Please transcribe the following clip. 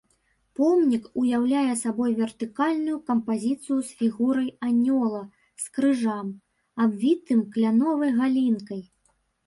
Помнік уяўляе сабой вертыкальную кампазіцыю з фігурай анёла з крыжам, абвітым кляновай галінкай.